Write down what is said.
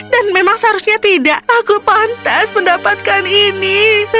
dan memang seharusnya tidak aku pantas mendapatkan ini